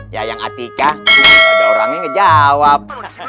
ya yang atika ada orangnya ngejawab